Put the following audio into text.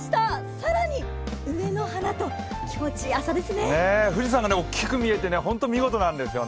更に梅の花と気持ちいい朝ですね。